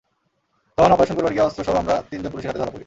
তহন অপারেশন করবার গিয়া অস্ত্রসহ আমরা তিনজন পুলিশের হাতে ধরা পড়ি।